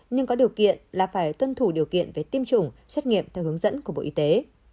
nhưng có điều kiện là phải tuân thủ điều kiện về tiêm chủng xét nghiệm theo hướng dẫn của bộ y tế